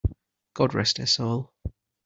God rest her soul!